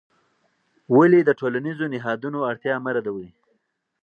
ولې د ټولنیزو نهادونو اړتیا مه ردوې؟